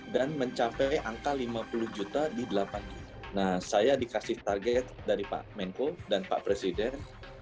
dan mencapai angka lima puluh juta di delapan nah saya dikasih target dari pak menko dan pak presiden